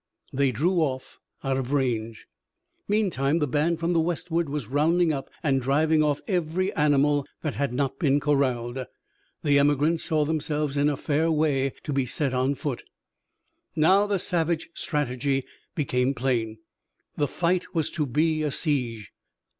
They drew off, out of range. Meantime the band from the westward was rounding up and driving off every animal that had not been corralled. The emigrants saw themselves in fair way to be set on foot. Now the savage strategy became plain. The fight was to be a siege.